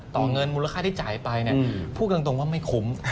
เงินมูลค่าที่จ่ายไปพูดกันตรงว่าไม่คุ้ม